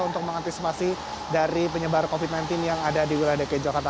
untuk mengantisipasi dari penyebaran covid sembilan belas yang ada di wilayah dki jakarta